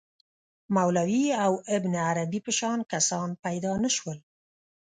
مولوی او ابن عربي په شان کسان پیدا نه شول.